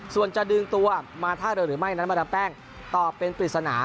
ส่วนจะดึงตัวมาท่าเรือหรือไม่นั้นมาดามแป้งตอบเป็นปริศนา